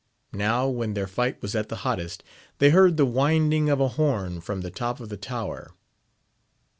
Now when their fight was at the hottest, they heard the winding of a horn from the top of the tower.